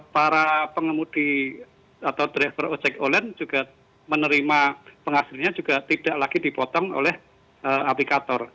para pengemudi atau driver ojek online juga menerima penghasilnya juga tidak lagi dipotong oleh aplikator